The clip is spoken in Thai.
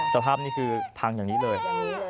สภาพนี่คือพังอย่างนี้เลย